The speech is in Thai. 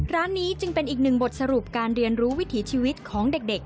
ร้านนี้จึงเป็นอีกหนึ่งบทสรุปการเรียนรู้วิถีชีวิตของเด็ก